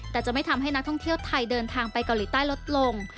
แต่จะไม่ทำให้นักท่องเที่ยวไทยเดินทางไปเกาหลีใต้ลดลง